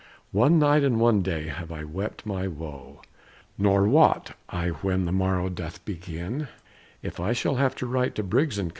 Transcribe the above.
One night and one day have I wept my woe; Nor wot I when the morrow doth begin, If I shall have to write to Briggs & Co.